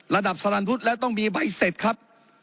ระดับสรรพุทธแล้วต้องมีใบเสร็จครับ